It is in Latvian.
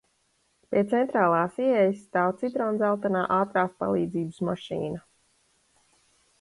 Pie centrālās ieejas stāv citrondzeltenā ātrās palīdzības mašīna.